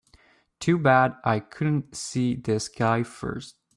Too bad I couldn't see this guy first.